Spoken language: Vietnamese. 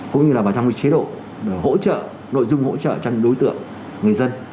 cũng như là vào trong chế độ hỗ trợ nội dung hỗ trợ cho đối tượng người dân